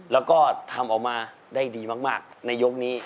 แล้วก็ทำออกมาได้ดีมากในยกนี้